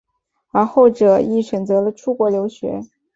而后者亦选择了出国留学。